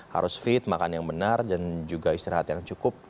harus fit makan yang benar dan juga istirahat yang cukup